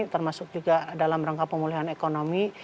termasuk juga dalam rangka pemulihan ekonomi